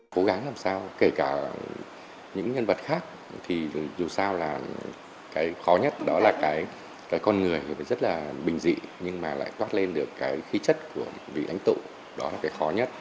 cố gắng làm sao kể cả những nhân vật khác thì dù sao là cái khó nhất đó là cái con người phải rất là bình dị nhưng mà lại khoát lên được cái khí chất của vị lãnh tụ đó là cái khó nhất